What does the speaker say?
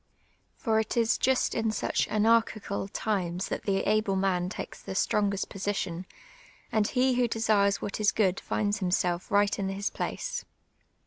For it is just in such anarchical times that the able man tiikes the strongest position, and he who desires what is good finds himself right in his place.